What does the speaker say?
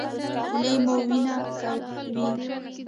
لۍ مو وینه کوي؟